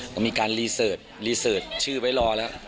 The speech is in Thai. ก็มีการรีเสิร์ตรีเสิร์ตชื่อไว้รอแล้ว